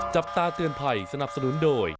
จับตาเตือนภัยสนับสนุนโดย